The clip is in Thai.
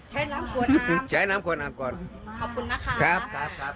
ใช้น้ำขวดใช้น้ำขวดอ่างก่อนขอบคุณนะคะครับครับครับ